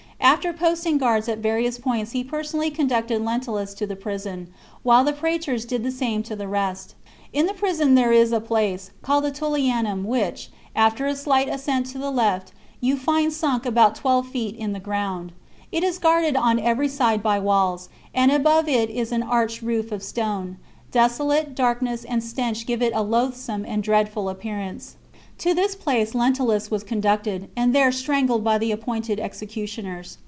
After posting guards at various points he personally conducted Lentulus to the prison, while the praetors did the same to the rest. In the prison there is a place, called the Tullianum, which, after a slight ascent to the left, you find sunk about twelve feet in the ground. It is guarded on every side by walls, and above it is an arched roof of stone ; desolation, darkness, and stench give it a loathsome and dreadful appearance. To this place Lentulus was conducted, and there strangled by the appointed executioners.